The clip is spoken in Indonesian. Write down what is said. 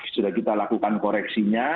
sudah kita lakukan koreksinya